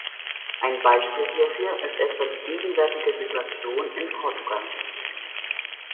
Ein Beispiel hierfür ist etwa die gegenwärtige Situation in Portugal.